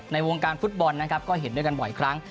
ในวงการฟุตบอลนะครับก็เห็นด้วยกันบ่อยครั้ง